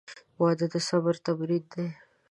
• واده د صبر تمرین دی.